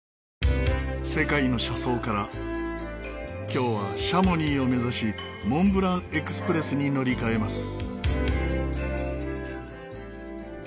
今日はシャモニーを目指しモンブラン・エクスプレスに乗り換えます。